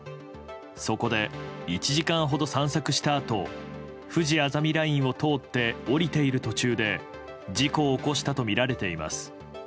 そこで１時間ほど散策したあとふじあざみラインを通って下りている途中で事故を起こしたとみられています。